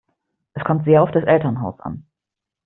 Es kommt sehr auf das Elternhaus an.